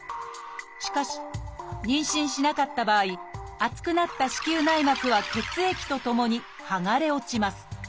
しかし妊娠しなかった場合厚くなった子宮内膜は血液とともにはがれ落ちます。